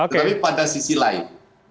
tapi pada sisi lain